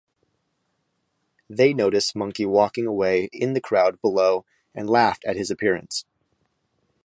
They notice Monkey walking away in the crowd below and laughed at his appearance.